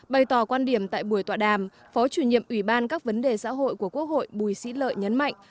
bày tỏ quan điểm tại buổi tọa đàm phó chủ nhiệm ủy ban các vấn đề xã hội của quốc hội bùi sĩ lợi nhấn mạnh